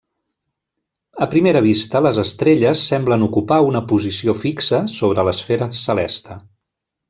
A primera vista, les estrelles semblen ocupar una posició fixa sobre l'esfera celeste.